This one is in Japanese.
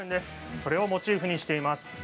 それをモチーフにしています。